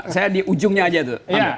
saya di ujungnya aja tuh